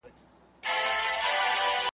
پر مزار به مي څراغ د میني بل وي .